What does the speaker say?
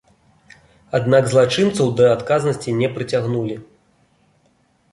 Аднак злачынцаў да адказнасці не прыцягнулі.